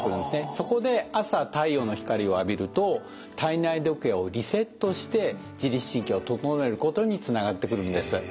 そこで朝太陽の光を浴びると体内時計をリセットして自律神経を整えることにつながってくるんです。